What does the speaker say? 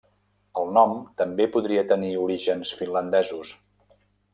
El nom també podria tenir orígens finlandesos.